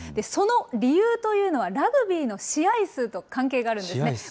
その理由というのは、ラグビーの試合数と関係があるんですね。